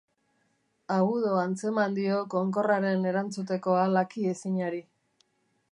Agudo antzeman dio konkorraren erantzuteko ahal akiezinari.